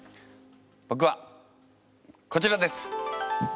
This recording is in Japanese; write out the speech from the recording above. ぼくはこちらです。